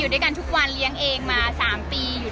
อยู่ด้วยกันทุกวันเรียงเองมา๓ปี